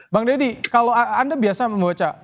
bang deddy kalau anda biasa membaca